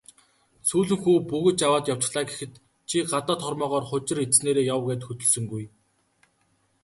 "Сүүлэн хүү бөгж аваад явчихлаа" гэхэд "Чи гадаад хормойгоор хужир идсэнээрээ яв" гээд хөдөлсөнгүй.